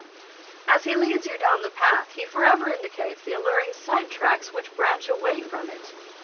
As he leads you down the path, he for ever indicates the alluring side tracks which branch away from it.